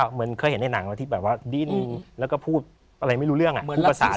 เหมือนเคยเห็นในหนังแล้วที่แบบว่าดิ้นแล้วก็พูดอะไรไม่รู้เรื่องพูดภาษา